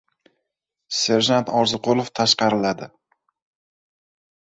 Serjant Orziqulov tashqariladi.